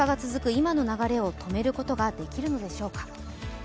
今の流れを止めることができるのでしょうか。